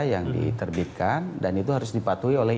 yang diterbitkan dan itu harus dipatuhi oleh